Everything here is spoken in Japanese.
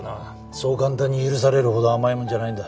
そう簡単に許されるほど甘いもんじゃないんだ。